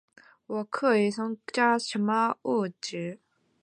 我可以添加什么语句？